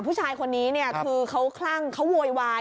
ค่ะผู้ชายคนนี้คือเขาใคร่เขาโวยวาย